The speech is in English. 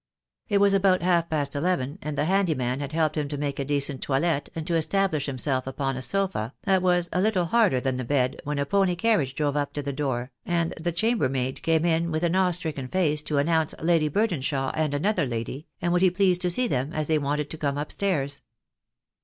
It was about half past eleven, and the handy man had helped him to make a decent toilet and to establish himself upon a sofa that was a little harder than the bed, when a pony carriage drove up to the door, and the chamber maid came in with an awe stricken face to an nounce Lady Burdenshaw and another lady, and would he please to see them, as they wanted to come upstairs.